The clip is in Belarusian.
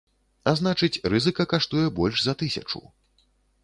А значыць, рызыка каштуе больш за тысячу.